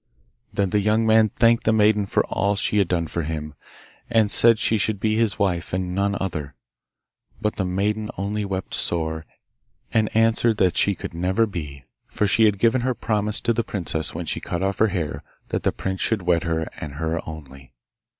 Then the young man thanked the maiden for all she had done for him, and said she should be his wife and none other. But the maiden only wept sore, and answered that that she could never be, for she had given her promise to the princess when she cut off her hair that the prince should wed her and her only.